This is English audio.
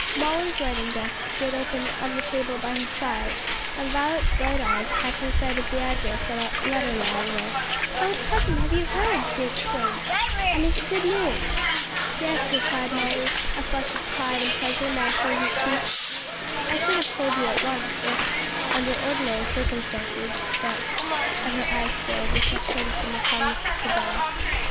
Molly's writing desk stood open on the table by her side, and Violet's bright eyes catching sight of the address on a letter lying there, "Oh, cousin, have you heard?" she exclaimed, "and is it good news?" "Yes," replied Molly, a flush of pride and pleasure mantling her cheek. "I should have told you at once, if under ordinary circumstances; but " and her eyes filled as she turned them upon Mrs. Travilla.